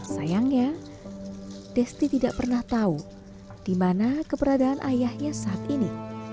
sayangnya desti tidak pernah tahu di mana keberadaan ayahnya saat ini